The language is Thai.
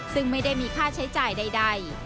ซึ่งไม่ได้มีค่าใช้จ่ายใด